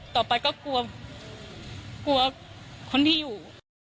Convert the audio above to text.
ต่อไปก็กลัวกลัวคนที่อยู่